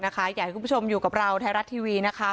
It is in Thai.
อยากให้คุณผู้ชมอยู่กับเราไทยรัฐทีวีนะคะ